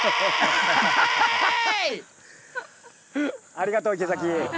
ありがとう池崎。